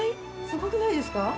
すごくないですか？